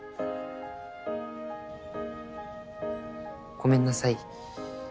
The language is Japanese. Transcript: ごめんなさい。